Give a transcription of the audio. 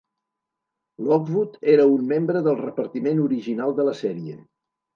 Lockwood era un membre del repartiment original de la sèrie.